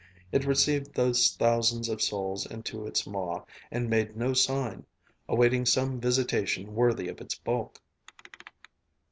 It received those thousands of souls into its maw, and made no sign; awaiting some visitation worthy of its bulk.